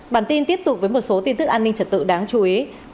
bản tin tiếp tục với một số tin tức an ninh trật tự đáng chú ý